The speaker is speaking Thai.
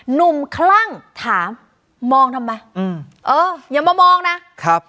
คลั่งถามมองทำไมอืมเอออย่ามามองนะครับ